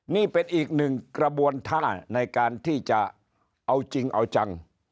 นี่เป็นอีกหนึ่งกระบวนท่าในการที่จะเอาจริงเอาจัง